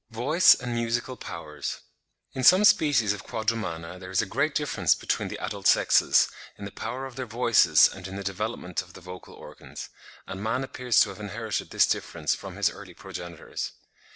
VOICE AND MUSICAL POWERS. In some species of Quadrumana there is a great difference between the adult sexes, in the power of their voices and in the development of the vocal organs; and man appears to have inherited this difference from his early progenitors.